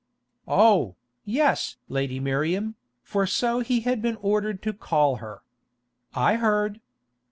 "Oh, yes! Lady Miriam," for so he had been ordered to call her. "I heard.